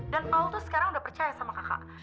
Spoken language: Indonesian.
dan oltu sekarang udah percaya sama kakak